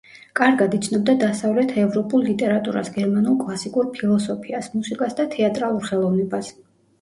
კარგად იცნობდა დასავლეთ ევროპულ ლიტერატურას, გერმანულ კლასიკურ ფილოსოფიას, მუსიკას და თეატრალურ ხელოვნებას.